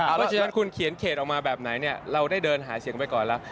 เพราะฉะนั้นคุณเขียนเขตออกมาแบบไหนเนี่ยเราได้เดินหาเสียงไปก่อนแล้ว